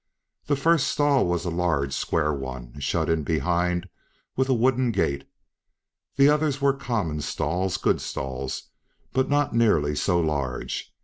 The first stall was a large square one, shut in behind with a wooden gate; the others were common stalls, good stalls, but not nearly so large.